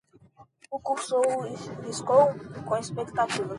O cursor piscou? com expectativa.